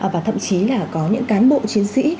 và thậm chí là có những cán bộ chiến sĩ